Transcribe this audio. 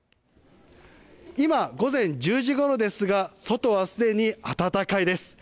今、午前１０時ごろですが外はすでに暖かいです。